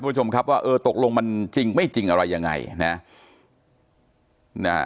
ชมครับว่าเออตกลงมันจริงไม่จริงอะไรยังไงนะ